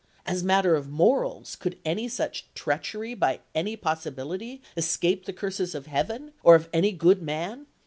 As matter of morals, could such treachery by any pos sibility escape the curses of Heaven, or of any good man?